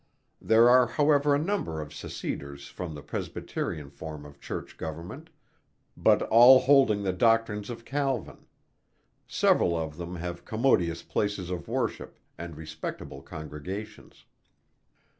There are however a number of Seceders from the Presbyterian form of Church Government, but all holding the doctrines of Calvin; several of them have commodious places of worship, and respectable congregations.